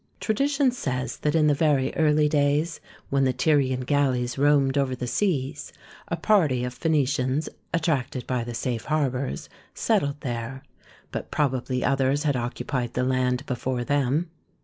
Tradition says that in the very early days, when the Tyrian galleys roamed over the seas, a party of Phoeni cians, attracted by the safe harbours, settled there, but probably others had occupied the land before them.